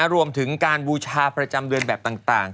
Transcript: รวมถึงการบูชาประจำเดือนแบบต่าง